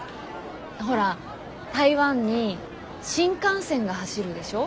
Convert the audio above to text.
ほら台湾に新幹線が走るでしょ。